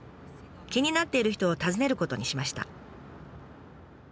気になっている人を訪ねることにしました。